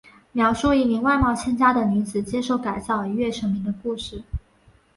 描述一名外貌欠佳的女子接受改造一跃成名的故事。